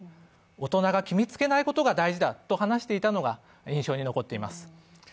大人が決めつけないことが大事だと話していたことが印象に残っています。